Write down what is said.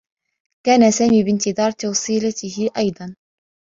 كان سامي بانتظار توصيلته أيضا.